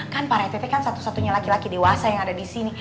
kan parete kan satu satunya laki laki dewasa yang ada disini